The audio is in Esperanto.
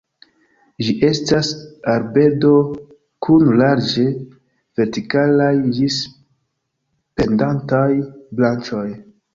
Ĝi estas arbedo kun larĝe vertikalaj ĝis pendantaj branĉoj.